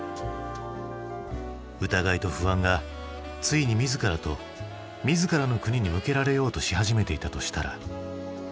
疑いと不安がついに自らと自らの国に向けられようとし始めていたとしたら。